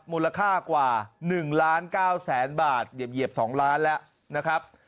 มูลค่ากว่าหนึ่งล้านเก้าแสนบาทเหยียบเหยียบสองล้านแล้วนะครับ